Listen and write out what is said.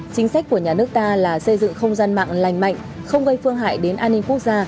chính sách của nhà nước ta là xây dựng không gian mạng lành mạnh không gây phương hại đến an ninh quốc gia